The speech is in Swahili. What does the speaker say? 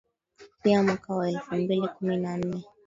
Pia mwaka wa elfu mbili kumi na nne